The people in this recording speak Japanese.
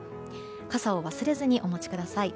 傘を忘れずにお持ちください。